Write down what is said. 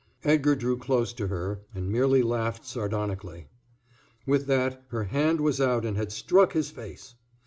Edgar drew close to her and merely laughed sardonically. With that her hand was out and had struck his face.